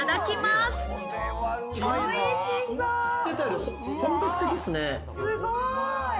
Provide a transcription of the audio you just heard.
すごい。